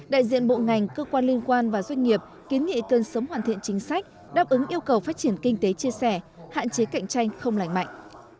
đại diện bộ ngành cơ quan liên quan và doanh nghiệp kiến nghị cần sớm hoàn thiện chính sách đáp ứng yêu cầu phát triển kinh tế chia sẻ hạn chế cạnh tranh không lành mạnh